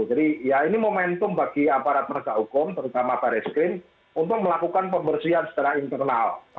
jadi ya ini momentum bagi aparat meresaukom terutama pari screen untuk melakukan pembersihan secara internal